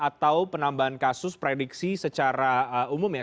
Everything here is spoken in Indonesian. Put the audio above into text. atau penambahan kasus prediksi secara umum ya